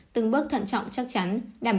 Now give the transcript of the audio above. từng bước thận trọng chắc chắn